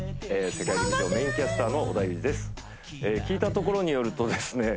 世界陸上メインキャスターの織田裕二です聞いたところによるとですね